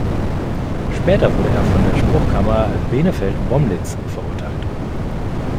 Später wurde er von der Spruchkammer "Benefeld-Bomlitz" verurteilt.